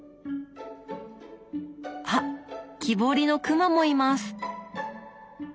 あっ木彫りの熊もいます！